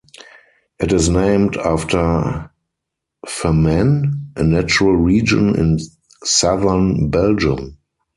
It is named after Famenne, a natural region in southern Belgium.